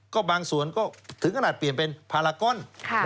ก็บางส่วนก็ถึงขนาดเปลี่ยนเป็นพารากอน